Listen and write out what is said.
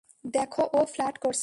দেখো, ও ফ্লার্ট করছে।